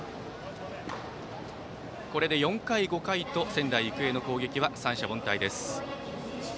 これで４回、５回と仙台育英の攻撃は三者凡退です。